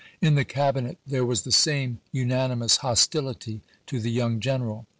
In the Cabinet there was the same unanimous hostility to the young general.